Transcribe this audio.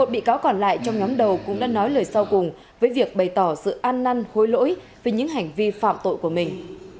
một mươi bị cáo còn lại trong nhóm đầu cũng đã nói lời sau cùng với việc bày tỏ sự an năn hối lỗi về những hành vi phạm tội của mình